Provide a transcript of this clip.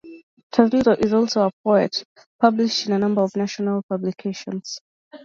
Turzillo is also a poet, published in a number of national publications.